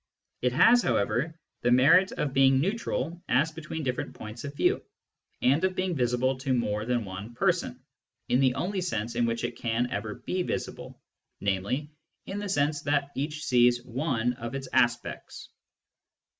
It has, however, the merit of being neutral as between diflFerent points of view, and of being visible to more than one person, in the only sense in which it can ever be visible, namely, in the sense that each sees one of its aspects.